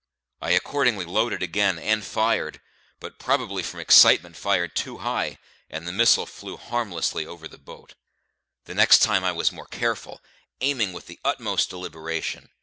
I accordingly loaded again, and fired; but, probably from excitement, fired too high, and the missile flew harmlessly over the boat. The next time I was more careful, aiming with the utmost deliberation.